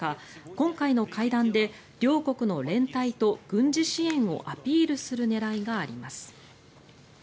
今回の会談で両国の連帯と軍事支援をアピールする狙いがあります。